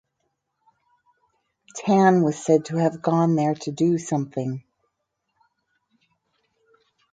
Tan was said to have gone there to do something.